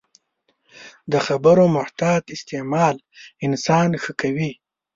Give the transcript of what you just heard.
د خبرو محتاط استعمال انسان ښه کوي